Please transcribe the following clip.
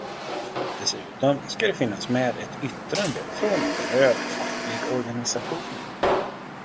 Dessutom ska det finnas med ett yttrande från berörd facklig organisation.